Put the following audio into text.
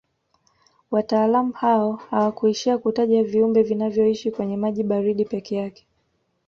Wataalamu hao hawakuishia kutaja viumbe vinavyoishi kwenye maji baridi peke yake